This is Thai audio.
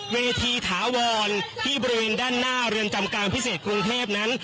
เวทีถาวรที่บริเวณด้านหน้าเรือนจำกลางพิเศษกรุงเทพนั้น